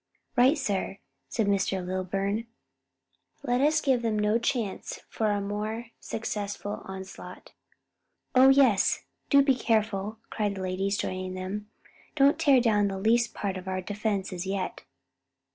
'" "Right, sir," said Mr. Lilburn, "let us give them no chance for a more successful onslaught." "Oh, yes, do be careful!" cried the ladies, joining them, "don't tear down the least part of our defences yet."